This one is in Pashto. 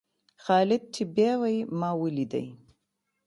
خالد چې بېوى؛ ما وليدئ.